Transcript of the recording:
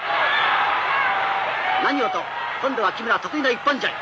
何をと今度は木村得意の一本背負い。